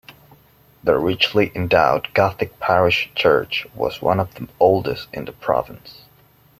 The richly endowed Gothic parish church was one of the oldest in the province.